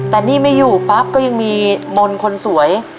แต่นี่ไม่อยู่ปั๊บก็ยังมีมนต์คนสวย